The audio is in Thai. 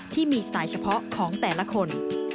ที่มีสายเฉพาะของแต่ละคน